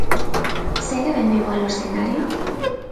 Segue vendo igual o escenario?